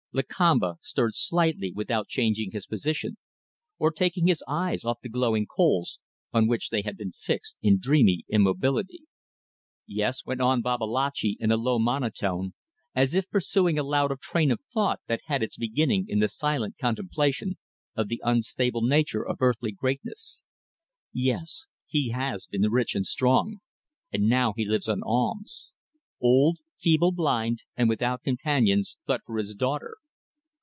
Lakamba stirred slightly without changing his position or taking his eyes off the glowing coals, on which they had been fixed in dreamy immobility. "Yes," went on Babalatchi, in a low monotone, as if pursuing aloud a train of thought that had its beginning in the silent contemplation of the unstable nature of earthly greatness "yes. He has been rich and strong, and now he lives on alms: old, feeble, blind, and without companions, but for his daughter.